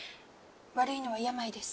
悪いのは病です。